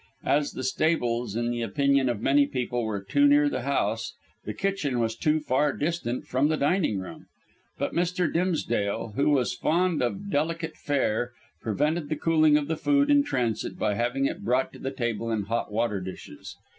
As the stables, in the opinion of many people, were too near the house, the kitchen was too far distant from the dining room. But Mr. Dimsdale, who was fond of delicate fare, prevented the cooling of the food in transit by having it brought to the table in hot water dishes.